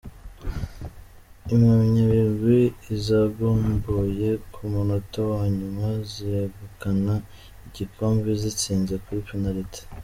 Impamyabigwi I zagomboye ku munota wa nyuma zegukana igikombe zitsinze kuri penaliti.